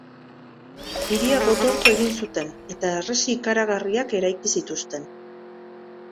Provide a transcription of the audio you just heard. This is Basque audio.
Hiria gotortu egin zuten, eta harresi ikaragarriak eraiki zituzten.